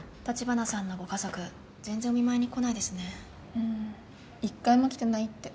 うん一回も来てないって。